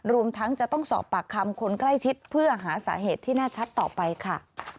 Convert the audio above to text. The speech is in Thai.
รวมทั้งจะต้องสอบปากคำคนใกล้ชิดเพื่อหาสาเหตุที่แน่ชัดต่อไปค่ะ